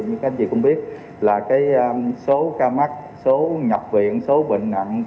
như các anh chị cũng biết là số ca mắc số nhập viện số bệnh nặng